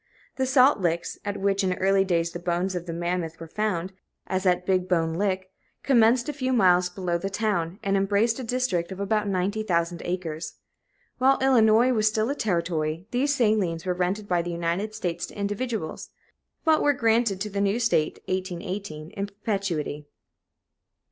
The salt licks at which in early days the bones of the mammoth were found, as at Big Bone Lick commenced a few miles below the town, and embraced a district of about ninety thousand acres. While Illinois was still a Territory, these salines were rented by the United States to individuals, but were granted to the new State (1818) in perpetuity.